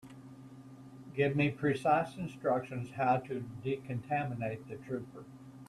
Give me precise instructions how to decontaminate the trooper.